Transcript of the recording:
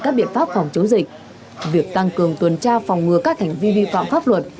các biện pháp phòng chống dịch việc tăng cường tuần tra phòng ngừa các hành vi vi phạm pháp luật